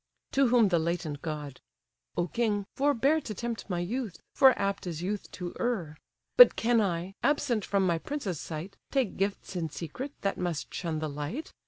To whom the latent god: "O king, forbear To tempt my youth, for apt is youth to err. But can I, absent from my prince's sight, Take gifts in secret, that must shun the light?